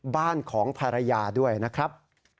บ้านของภรรยาด้วยนะครับ